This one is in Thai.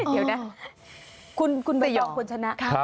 เดี๋ยวน่ะคุณบะหยอกควรชนะ